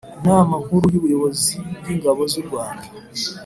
Inama nkuru y ubuyobozi bw ingabo z u rwanda